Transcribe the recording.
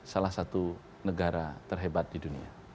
salah satu negara terhebat di dunia